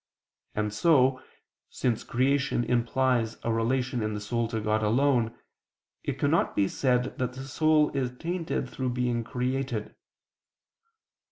And so, since creation implies a relation in the soul to God alone, it cannot be said that the soul is tainted through being created.